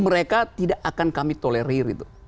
mereka tidak akan kami tolerir